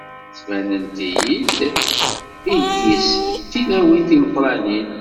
Ttbanent-iyi-d iyi-s d tilawin timeqranin.